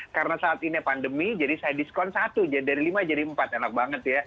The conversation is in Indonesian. karena saat ini pandemi jadi saya diskon satu dari lima jadi empat enak banget ya